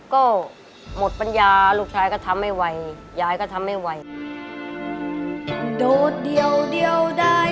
ก็หมดปัญญาลูกชายก็ทำไม่ไหวยายก็ทำไม่ไหว